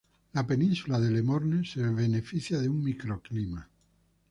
La península de Le Morne se beneficia de un microclima.